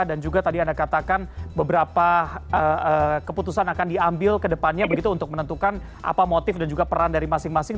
dan juga tadi anda katakan beberapa keputusan akan diambil ke depannya begitu untuk menentukan apa motif dan juga peran dari masing masing